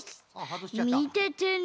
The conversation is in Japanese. みててね！